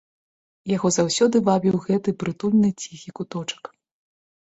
Яго заўсёды вабіў гэты прытульны ціхі куточак.